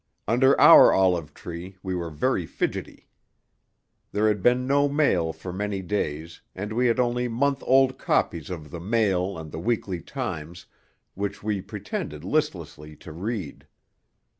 Under our olive tree we were very fidgety. There had been no mail for many days, and we had only month old copies of the Mail and the Weekly Times, which we pretended listlessly to read.